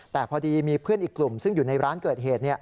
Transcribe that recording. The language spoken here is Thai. แต่พอดีมีเพื่อนอีกกลุ่มซึ่งอยู่ในร้านเกิดเหตุ